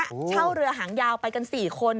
เช่าเรือหางยาวไปกัน๔คน